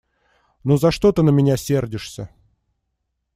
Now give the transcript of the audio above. Ну за что ты на меня сердишься?